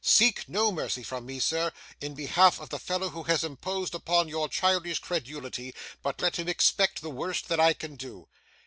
Seek no mercy from me, sir, in behalf of the fellow who has imposed upon your childish credulity, but let him expect the worst that I can do.